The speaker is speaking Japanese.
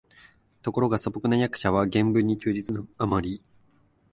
ところが素朴な訳者は原文に忠実なあまり、